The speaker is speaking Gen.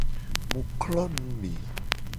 Mu klo nume.